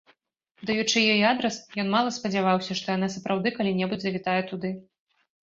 Даючы ёй адрас, ён мала спадзяваўся, што яна сапраўды калі-небудзь завітае туды.